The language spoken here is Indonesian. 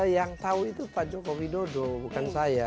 yang tahu itu pak joko widodo bukan saya